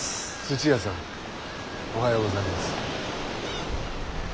土屋サンおはようございます。